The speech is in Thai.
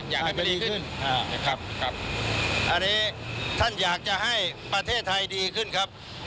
อยากให้มันดีขึ้นนะครับครับอันนี้ท่านอยากจะให้ประเทศไทยดีขึ้นครับ